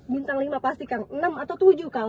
bintang lima pasti kang enam atau tujuh kang